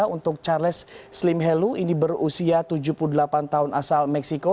untuk charles slim helu ini berusia tujuh puluh delapan tahun asal meksiko